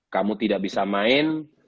kamu tidak bisa main